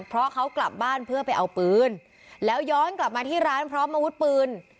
เพราะเขากลับบ้านเพื่อไปเอาปืนแล้วย้อนกลับมาที่ร้านพร้อมอาวุธปืน